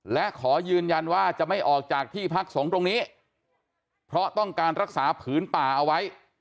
และขอยืนยันว่าจะไม่ออกจากที่พักสงฆ์ตรงนี้เพราะต้องการรักษาผืนป่าเอาไว้